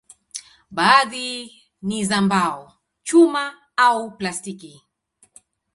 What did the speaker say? Baadhi ni za mbao, chuma au plastiki.